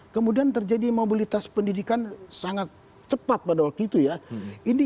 kemudian terjadi mobilitas pendidikan sangat cepat pada waktu itu ya